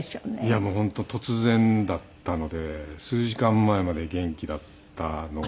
いやもう本当突然だったので数時間前まで元気だったのが。